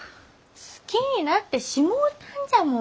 好きになってしもうたんじゃもん。